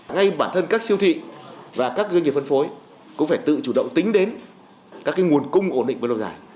ngay bản thân các siêu thị và các doanh nghiệp phân phối cũng phải tự chủ động tính đến các nguồn cung ổn định với lòng giải